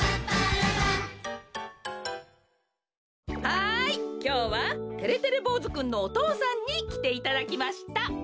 はいきょうはてれてれぼうずくんのお父さんにきていただきました。